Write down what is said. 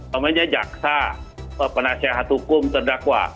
namanya jaksa penasehat hukum terdakwa